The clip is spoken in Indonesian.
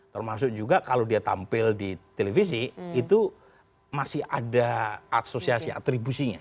termasuk juga kalau dia tampil di televisi itu masih ada asosiasi atribusinya